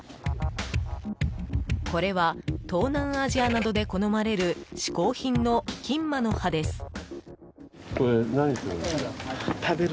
これは東南アジアなどで好まれる嗜好品のキンマの葉です。